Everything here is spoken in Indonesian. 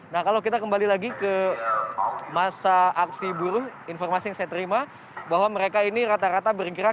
nah kalau kita kembali lagi ke masa aksi buruh informasi yang saya terima bahwa mereka ini rata rata bergerak